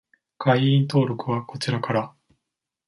会員登録はこちらから